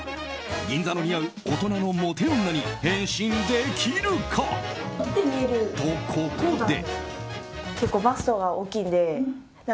銀座の似合う大人のモテ女に変身できるか？と、ここで。